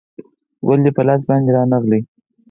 ګل دې په لاس باندې رانغلی